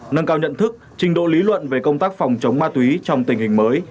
nâng cao nhận thức trình độ lý luận về công tác phòng chống ma túy trong tình hình mới